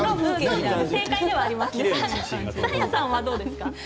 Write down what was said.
サーヤさんはどうですか？